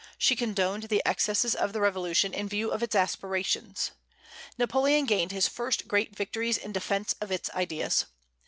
She condoned the excesses of the Revolution in view of its aspirations. Napoleon gained his first great victories in defence of its ideas.